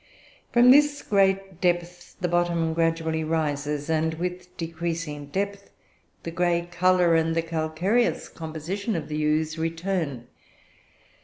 From this great depth the bottom gradually rises, and, with decreasing depth, the grey colour and the calcareous composition of the ooze return.